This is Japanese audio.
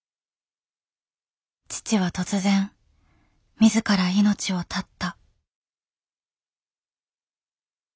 父は突然自ら命を絶った。